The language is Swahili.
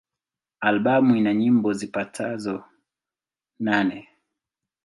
Albamu ina nyimbo zipatazo nane.